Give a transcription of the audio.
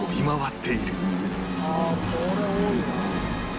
「ああこれ多いな」